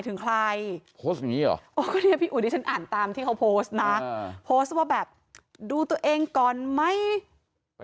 แต่ดิฉันไม่รู้ว่าเขาหมายถึงใคร